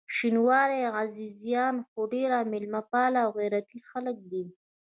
شینواري عزیزان خو ډېر میلمه پال او غیرتي خلک دي.